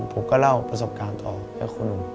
ผมก็เล่าประสบการณ์ต่อให้คุณลุง